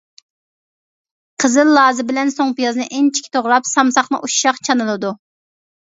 قىزىل لازا بىلەن سۇڭپىيازنى ئىنچىكە توغراپ سامساقنى ئۇششاق چانىلىدۇ.